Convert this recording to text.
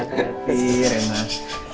kamu lari lari nampak